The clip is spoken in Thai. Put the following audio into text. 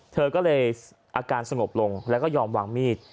เธอก็เลยอาการสงบลงแล้วก็ยอมวางมีด